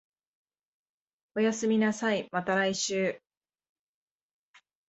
おやすみなさい、また来週